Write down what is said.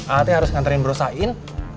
ah teh harus nganterin bro sain